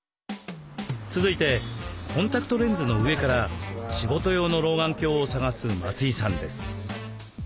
続いてコンタクトレンズの上から仕事用の老眼鏡を探す松井さんです。